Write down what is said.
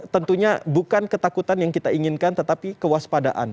tentunya bukan ketakutan yang kita inginkan tetapi kewaspadaan